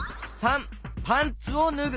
③パンツをぬぐ。